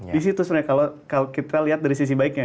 di situ sebenarnya kalau kita lihat dari sisi baiknya